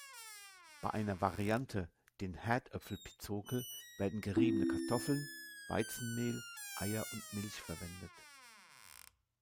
Bei einer Variante, den "Härdöpfel-Pizokel", werden geriebene Kartoffeln, Weizenmehl, Eier und Milch verwendet.